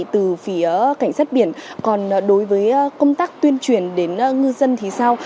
từ phía cảnh sát biển còn đối với công tác tuyên truyền đến ngư dân thì sao